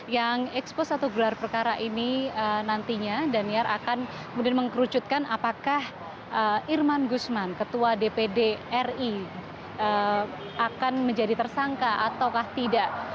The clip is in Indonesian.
yang expose atau gelar perkara ini nantinya daniel akan mengerucutkan apakah irman guzman ketua dpd ri akan menjadi tersangka ataukah tidak